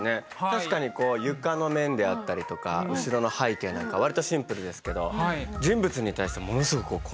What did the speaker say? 確かにこう床の面であったりとか後ろの背景なんかわりとシンプルですけど人物に対してものすごく細かく。